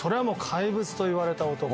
怪物といわれた男。